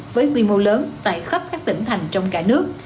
với quy mô lớn tại khắp các tỉnh thành trong cả nước